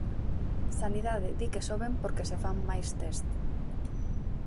Sanidade di que soben porque se fan máis test.